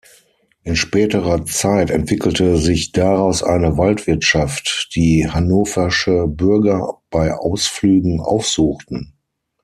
In späterer Zeit entwickelte sich daraus eine Waldwirtschaft, die hannoversche Bürger bei Ausflügen aufsuchten.